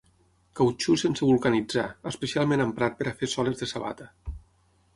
Cautxú sense vulcanitzar, especialment emprat per a fer soles de sabata.